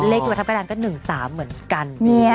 เลขที่วัดทับกระดานก็๑๓เหมือนกัน